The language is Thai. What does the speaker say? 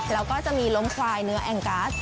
แล้วก็จะมีล้มควายเนื้อแองกัส